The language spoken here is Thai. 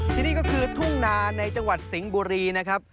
ที่นี่ก็คือทุ่งนาในจังหวัดสิงห์บุรีนะครับ